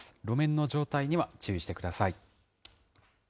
路面の状態には注意してください。